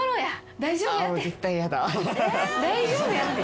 「大丈夫やって」